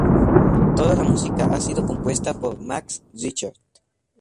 Toda la música ha sido compuesta por Max Richter.